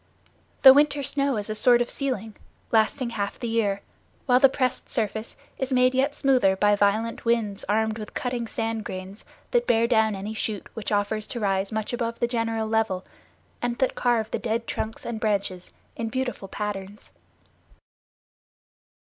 The winter snow is a sort of ceiling, lasting half the year; while the pressed surface is made yet smoother by violent winds armed with cutting sand grains that bear down any shoot which offers to rise much above the general level, and that carve the dead trunks and branches in beautiful patterns.